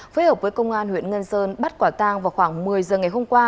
phối hợp với công an huyện ngân sơn bắt quả tang vào khoảng một mươi giờ ngày hôm qua